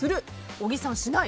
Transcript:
小木さん、しない。